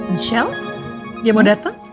michelle dia mau datang